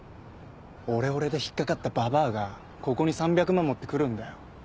オレオレで引っかかったババアがここに３００万持ってくるんだよ。